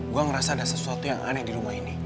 gue ngerasa ada sesuatu yang aneh di rumah ini